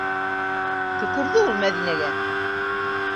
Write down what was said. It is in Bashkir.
Төкөрҙө ул Мәҙинәгә!